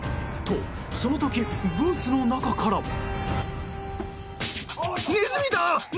と、その時ブーツの中から。